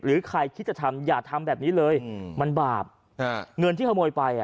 หรือใครคิดจะทำอย่าทำแบบนี้เลยมันบาปฮะเงินที่กระโมยไป